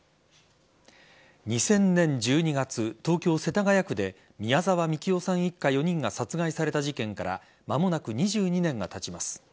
２０００年１２月東京・世田谷区で宮澤みきおさん一家４人が殺害された事件から間もなく２２年がたちます。